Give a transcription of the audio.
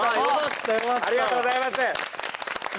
ありがとうございます。